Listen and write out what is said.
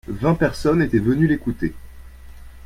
Vingt personnes étaient venues l'écouter.